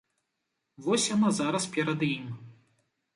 Вось яна зараз перад ім.